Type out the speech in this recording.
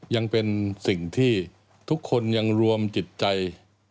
ยังเป็นสิ่งที่ทุกคนยังรวมจิตใจ